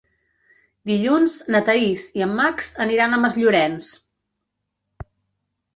Dilluns na Thaís i en Max aniran a Masllorenç.